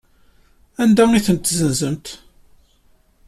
Anda ay tent-tessenzemt?